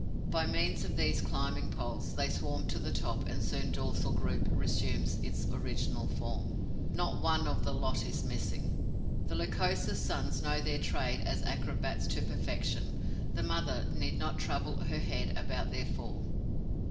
By means of these climbing poles, they swarm to the top and soon the dorsal group resumes its original form. Not one of the lot is missing. The Lycosa's sons know their trade as acrobats to perfection: the mother need not trouble her head about their fall.